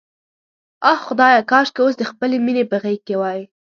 آه خدایه، کاشکې اوس د خپلې مینې په غېږ کې وای.